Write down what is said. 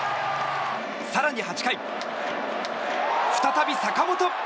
更に８回、再び坂本。